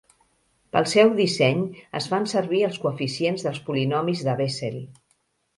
Pel seu disseny es fan servir els coeficients dels polinomis de Bessel.